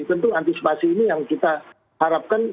tentu antisipasi ini yang kita harapkan